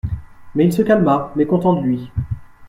Mais il se calma, mécontent de lui.